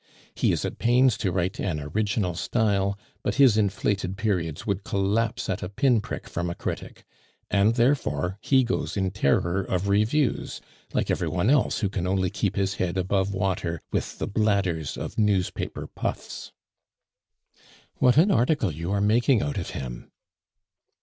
He is at pains to write an original style, but his inflated periods would collapse at a pin prick from a critic; and therefore he goes in terror of reviews, like every one else who can only keep his head above water with the bladders of newspaper puffs." "What an article you are making out of him!"